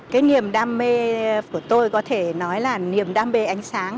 cái niềm đam mê của tôi có thể nói là niềm đam mê ánh sáng